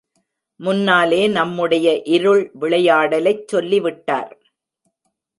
முன்னாலே நம்முடைய இருள் விளையாடலைச் சொல்லி விட்டார்.